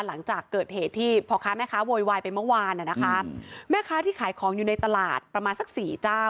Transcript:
หลังจากเกิดเหตุที่พ่อค้าแม่ค้าโวยวายไปเมื่อวานอ่ะนะคะแม่ค้าที่ขายของอยู่ในตลาดประมาณสักสี่เจ้า